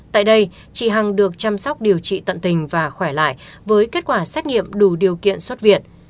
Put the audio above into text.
tại đây chị hằng được chăm sóc điều trị tận tình và khỏe lại với kết quả xét nghiệm đủ điều kiện xuất viện